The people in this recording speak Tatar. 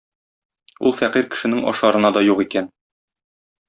Ул фәкыйрь кешенең ашарына да юк икән.